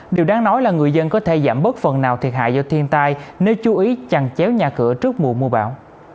đáng nói là người dân có thể giảm bớt phần nào thiệt hại do thiên tai nếu chú ý chẳng chéo nhà cửa trước mùa mùa bão